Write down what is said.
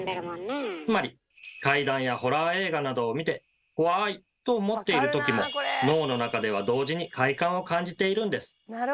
つまり怪談やホラー映画などを見て「怖い！」と思っているときも脳の中では同時に快感を感じているんです。